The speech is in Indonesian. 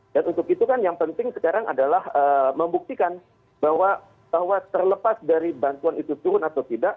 dan untuk itu kan yang penting sekarang adalah membuktikan bahwa terlepas dari bantuan itu turun atau tidak